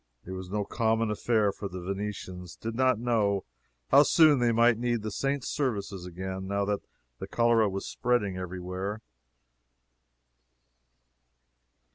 It was no common affair, for the Venetians did not know how soon they might need the saint's services again, now that the cholera was spreading every where.